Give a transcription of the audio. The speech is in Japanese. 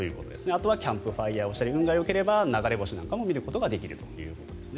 あとはキャンプファイアをしたり運がよければ流れ星なんかも見ることができるということです。